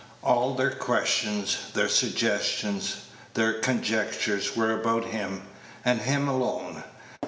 All their questions, their suggestions, their conjectures, were about him, and him alone.